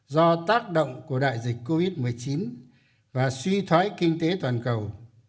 do tác động của đại dịch covid một mươi chín và suy thoái kinh tế toàn cầu